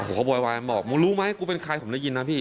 เขาก็โวยวายบอกมึงรู้ไหมกูเป็นใครผมได้ยินนะพี่